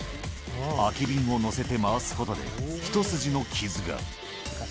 空き瓶を乗せて回すことで、一筋の傷が。